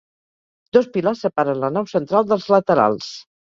Dos pilars separen la nau central dels laterals.